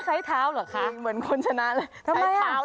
ใช้เท้าเหรอครับ